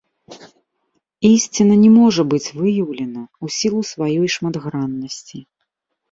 Ісціна не можа быць выяўлена ў сілу сваёй шматграннасці.